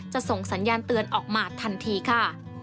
ส่งสัญญาณเตือนออกมาทันทีค่ะ